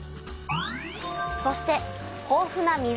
そして豊富な水。